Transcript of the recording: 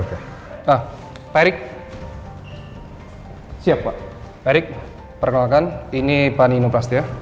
erik perkenalkan ini pak nino prastia